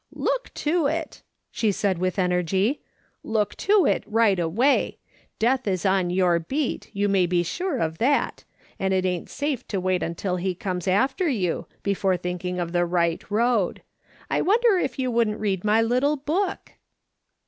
" Look to it," she said with energy. " Look to it right away. Death is on your beat, you may be sure of that, and it ain't safe to wait till he comes after you, before thinking of the right road. I wonder if you wouldn't read my little book